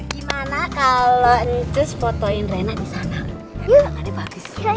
gimana kalau etis fotoin rena di sana